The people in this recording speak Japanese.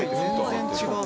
全然違う。